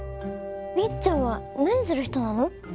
みっちゃんはなにするひとなの？